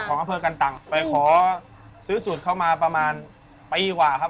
อำเภอกันตังไปขอซื้อสูตรเข้ามาประมาณปีกว่าครับ